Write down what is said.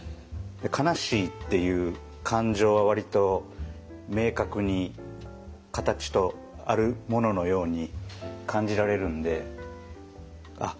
「悲しい」っていう感情は割と明確に形とあるもののように感じられるんであっ